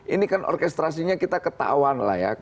ini kan orkestrasinya kita ketahuan lah ya